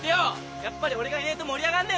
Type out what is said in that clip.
やっぱり俺がいねえと盛り上がんねえのか？